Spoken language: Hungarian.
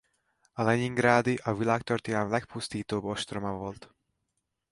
A leningrádi a világtörténelem legpusztítóbb ostroma volt.